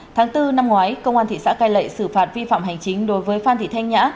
tháng bốn năm ngoái công an thị xã cai lệ xử phạt vi phạm hành chính đối với phan thị thanh nhã